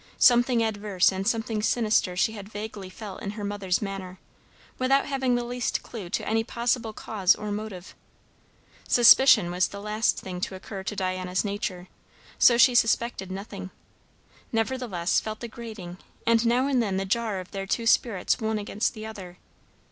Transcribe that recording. Something adverse and something sinister she had vaguely felt in her mother's manner, without having the least clue to any possible cause or motive. Suspicion was the last thing to occur to Diana's nature; so she suspected nothing; nevertheless felt the grating and now and then the jar of their two spirits one against the other.